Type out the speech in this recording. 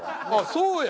「そうや！」